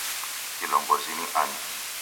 Kilongozi ni ani